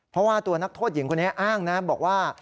เพราะว่าตัวนักโทษหญิงคนนี้อ้างนะบอกว่า